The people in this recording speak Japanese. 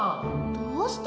どうして？